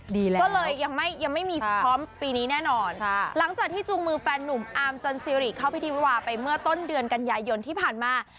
ก็เลยยังไม่ยังไม่มีพร้อมปีนี้แน่นอนค่ะหลังจากที่จูงมือแฟนนุ่มอาร์มจันซิริเข้าพิธีวิวาไปเมื่อต้นเดือนกันยายนที่ผ่านมา